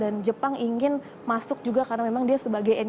dan jepang ingin masuk juga karena memang dia sebagai ekonomi